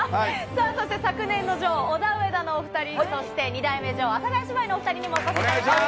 そして昨年の女王、オダウエダのお２人、そして２代目女王、阿佐ヶ谷姉妹のお２人にもお越しいただきました。